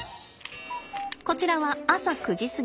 こちらは朝９時過ぎ。